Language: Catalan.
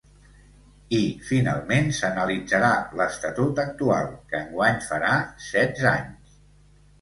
I, finalment, s’analitzarà l’estatut actual, que enguany farà setze anys.